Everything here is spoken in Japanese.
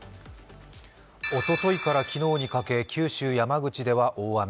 おとといから昨日にかけ九州、山口では大雨。